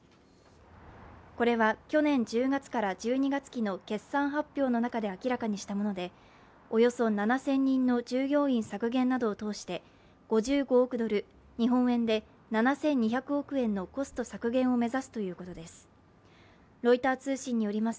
これは去年１０月から１２月期の決算発表の中で明らかにしたものでおよそ７０００人の従業員削減などを通して５５億ドル、日本円で７２００億円のコスト削減を目指すということです。